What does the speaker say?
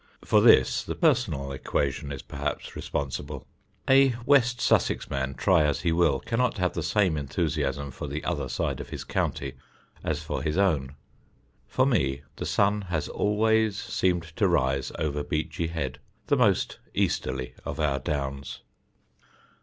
For this the personal equation is perhaps responsible: a West Sussex man, try as he will, cannot have the same enthusiasm for the other side of his county as for his own. For me the sun has always seemed to rise over Beachy Head, the most easterly of our Downs.